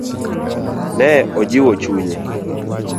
Ne ojiwo chunye.